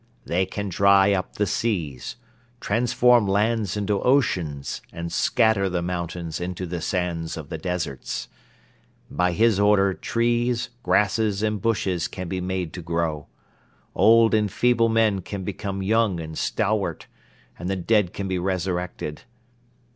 They can dry up the seas, transform lands into oceans and scatter the mountains into the sands of the deserts. By his order trees, grasses and bushes can be made to grow; old and feeble men can become young and stalwart; and the dead can be resurrected.